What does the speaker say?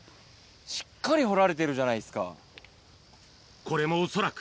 しっかり掘られてるじゃないこれも恐らく、